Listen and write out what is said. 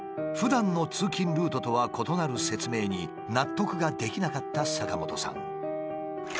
ふだんの通勤ルートとは異なる説明に納得ができなかった坂本さん。